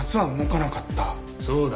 そうだ。